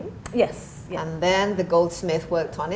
dan kemudian goldsmith bekerja di dalamnya